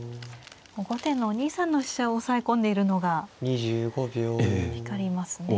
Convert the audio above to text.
後手の２三の飛車を押さえ込んでいるのが光りますね。